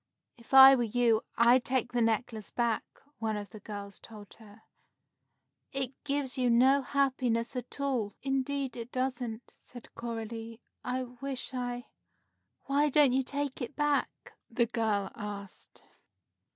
"If I were you, I'd take the necklace back," one of the girls told her. "It gives you no happiness at all." "Indeed it doesn't," said Coralie, "I wish I " "Why don't you take it back?" the girl asked.